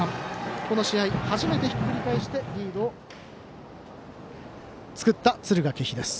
この試合、初めてひっくり返してリードを作った敦賀気比です。